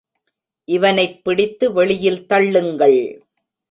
இவனைப் பிடித்து வெளியில் தள்ளுங்கள்.